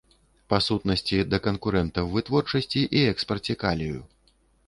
Па сутнасці, да канкурэнта ў вытворчасці і экспарце калію.